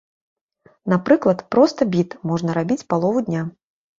Напрыклад, проста біт можна рабіць палову дня.